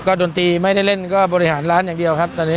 ก็ดนตรีไม่ได้เล่นก็บริหารร้านอย่างเดียวครับตอนนี้